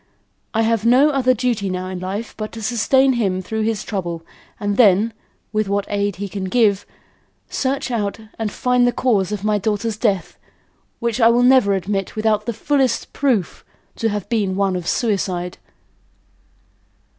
I have no other duty now in life but to sustain him through his trouble and then, with what aid he can give, search out and find the cause of my daughter's death which I will never admit without the fullest proof, to have been one of suicide."